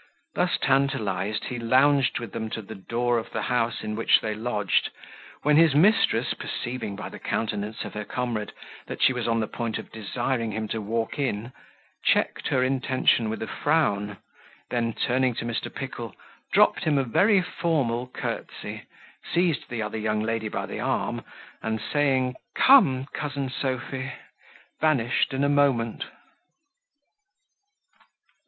Thus tantalized, he lounged with them to the door of the house in which they lodged, when his mistress, perceiving, by the countenance of her comrade, that she was on the point of desiring him to walk in, checked her intention with a frown; then, turning to Mr. Pickle, dropped him a very formal curtsy, seized the other young lady by the arm, and saying, "Come, cousin Sophy," vanished in a moment.